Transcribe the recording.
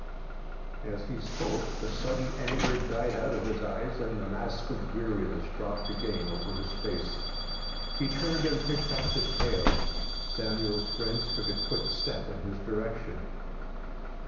As he spoke the sudden anger died out of his eyes and the mask of weariness dropped again over his face. He turned and picked up his pail. Samuel's friends took a quick step in his direction.